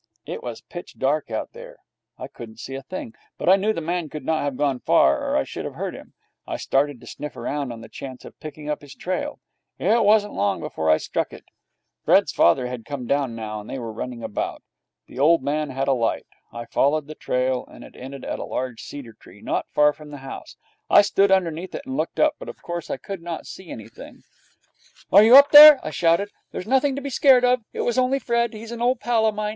It was pitch dark out there. I couldn't see a thing. But I knew the man could not have gone far, or I should have heard him. I started to sniff round on the chance of picking up his trail. It wasn't long before I struck it. Fred's father had come down now, and they were running about. The old man had a light. I followed the trail, and it ended at a large cedar tree, not far from the house. I stood underneath it and looked up, but of course I could not see anything. 'Are you up there?' I shouted. 'There's nothing to be scared at. It was only Fred. He's an old pal of mine.